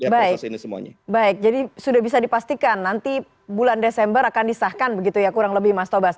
baik ini semuanya baik jadi sudah bisa dipastikan nanti bulan desember akan disahkan begitu ya kurang lebih mas tobas